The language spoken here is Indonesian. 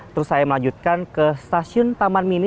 terus saya melanjutkan ke stasiun taman mini